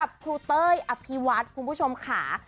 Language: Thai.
ครูเต้ยอภิวัฒน์คุณผู้ชมค่ะ